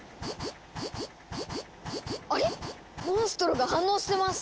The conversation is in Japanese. あれ⁉モンストロが反応してます！